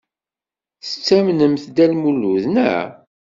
Tettamnemt Dda Lmulud, naɣ?